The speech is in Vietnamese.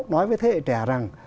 nói với thế hệ trẻ rằng